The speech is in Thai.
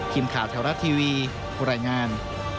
ทีมข่าวแถวรัฐทีวีรายงาน